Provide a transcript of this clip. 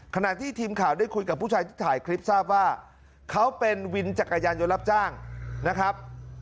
ขณะที่ทีมข่าวได้คุยกับผู้ชายที่ถ่ายคลิปทราบว่าเขาเป็นวินจักรยานยนต์รับจ้างนะครับ